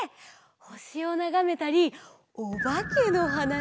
ほしをながめたりおばけのはなしをしたりね。